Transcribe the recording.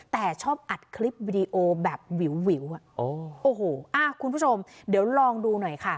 แต่ชอบอัดคลิปวิดีโอแบบวิววิวอ่ะโอ้โหอ่าคุณผู้ชมเดี๋ยวลองดูหน่อยค่ะ